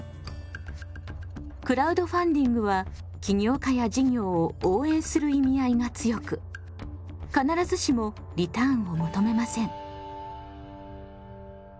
クラウドファンディングは起業家や事業を応援する意味合いが強く必ずしもリターンを求めません。